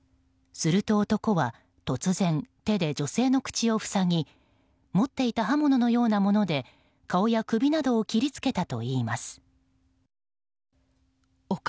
すると男は突然、手で女性の口を塞ぎ持っていた刃物のようなもので顔や首などを切りつけたといいます。